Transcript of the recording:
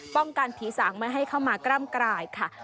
กันผีสางไม่ให้เข้ามากล้ำกลายค่ะ